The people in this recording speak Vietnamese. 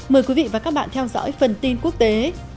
mời quý vị và các bạn theo dõi phần tin quốc tế